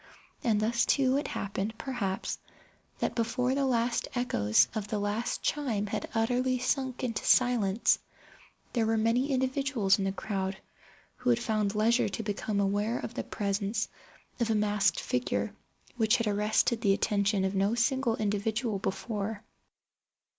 And thus too, it happened, perhaps, that before the last echoes of the last chime had utterly sunk into silence, there were many individuals in the crowd who had found leisure to become aware of the presence of a masked figure which had arrested the attention of no single individual before.